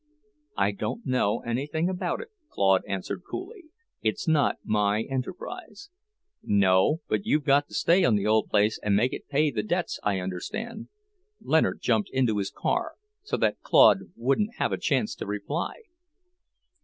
"I don't know anything about it," Claude answered coolly. "It's not my enterprise." "No, you've got to stay on the old place and make it pay the debts, I understand." Leonard jumped into his car, so that Claude wouldn't have a chance to reply.